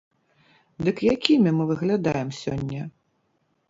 Дык якімі мы выглядаем сёння?